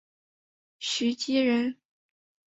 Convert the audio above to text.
徐积人。